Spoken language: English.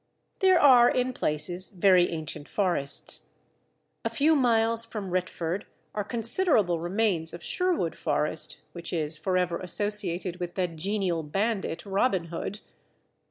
There are in places very ancient forests. A few miles from Retford are considerable remains of Sherwood Forest, which is for ever associated with that genial bandit Robin Hood.